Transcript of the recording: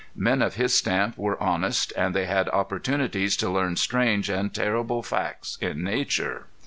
Men of his stamp were honest and they had opportunities to learn strange and terrible facts in nature.